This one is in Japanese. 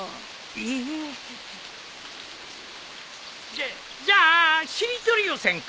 じゃじゃあしりとりをせんか？